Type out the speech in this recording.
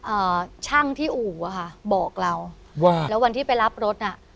อ่าช่างที่อู่อ่ะค่ะบอกเราว่าแล้ววันที่ไปรับรถน่ะ